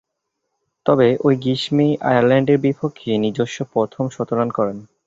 তবে, ঐ গ্রীষ্মে আয়ারল্যান্ডের বিপক্ষে নিজস্ব প্রথম শতরান করেন।